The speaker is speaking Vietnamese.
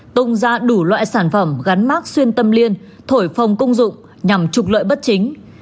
tung ra đủ loại sản phẩm gắn mác xuyên tâm liên thổi phòng cung dụng nhằm trục lợi bất chính